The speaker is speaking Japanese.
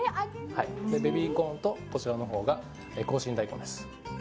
ベビーコーンと、こちらのほうが紅芯大根です。